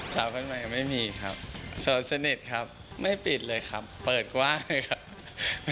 สาวคนใหม่ไม่มีครับโสดสนิทครับไม่ปิดเลยครับเปิดกว้างเลยครับ